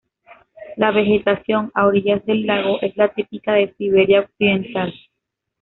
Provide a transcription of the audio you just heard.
La vegetación a orillas del lago es la típica de Siberia Occidental.